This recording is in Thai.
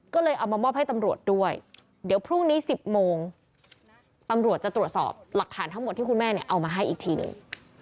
ก็เลยเอามามอบให้ตำรวจด้วยเดี๋ยวพรุ่งนี้๑๐โมงตำรวจจะตรวจสอบหลักฐานทั้งหมดที่คุณแม่เนี่ยเอามาให้อีกทีหนึ่ง